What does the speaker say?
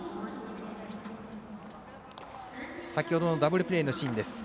先ほどのダブルプレーのシーンです。